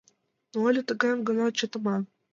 Но але тыгайым гына чытыман?